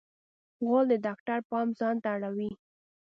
غول د ډاکټر پام ځانته اړوي.